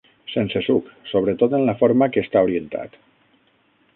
Sense suc, sobretot en la forma que està orientat.